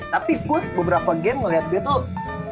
tapi gue beberapa game ngeliat dia tuh